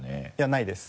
ないです。